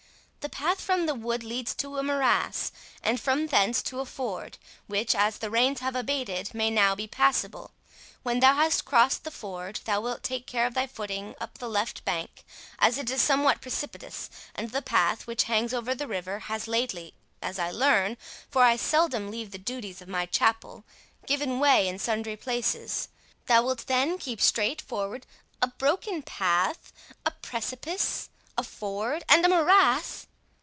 The path from the wood leads to a morass, and from thence to a ford, which, as the rains have abated, may now be passable. When thou hast crossed the ford, thou wilt take care of thy footing up the left bank, as it is somewhat precipitous; and the path, which hangs over the river, has lately, as I learn, (for I seldom leave the duties of my chapel,) given way in sundry places. Thou wilt then keep straight forward— " "A broken path—a precipice—a ford, and a morass!"